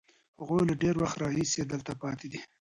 هغوی له ډېر وخت راهیسې دلته پاتې دي.